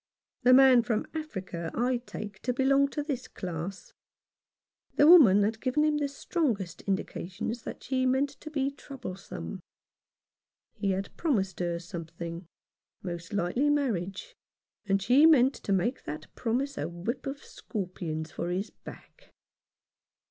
The man from Africa I take to belong to this class. The woman had given him the strongest indications that she meant to be troublesome. He had promised her something, most likely marriage, and she meant to make that promise a whip of scorpions for his back.